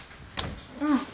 うん。